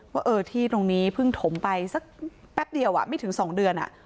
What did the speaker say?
ว่าที่ตรงนี้เพิ่งถมไปสักแป๊บเดียวไม่ถึง๒เดือน